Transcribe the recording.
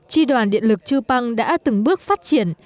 tri đoàn điện lực chư păng đã từng bước phát triển